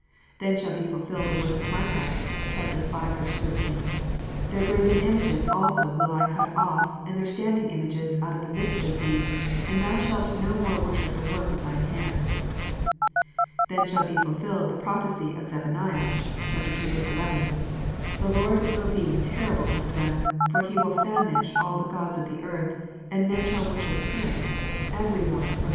Then shall be fulfilled the words of Micah (v. 13) :" Their graven images also will I cut off, and their standing images out of the midst of thee, and thou shalt no more worship the work of thine hands." Then shall be fulfilled the prophecy of Zephaniah (ii. 11): "The Lord will be terrible unto them : for He will famish all the gods of the earth ; and men shall worship Him, every one from 414 KNOTS UNTIED.